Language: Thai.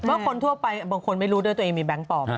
เพราะว่าคนทั่วไปบางคนไม่รู้ว่าตัวเองมีแบงค์ปลอม